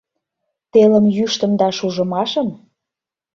Телым йӱштым да шужымашым?